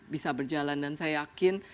bisa berjalan dan saya yakin